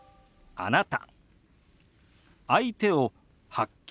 「あなた」。